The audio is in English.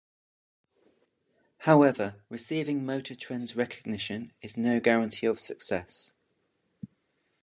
However, receiving "Motor Trend"'s recognition is no guarantee of success.